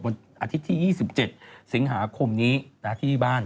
วันอาทิตย์ที่๒๗สิงหาคมนี้ที่บ้าน